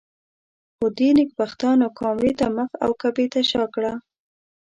خو دې نېکبختانو کامرې ته مخ او کعبې ته شا کړه.